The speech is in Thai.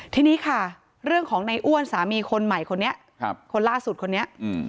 ทีนี้ค่ะเรื่องของในอ้วนสามีคนใหม่คนนี้คนล่าสุดคนนี้